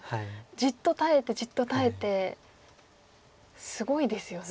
じっと耐えてじっと耐えてすごいですよね。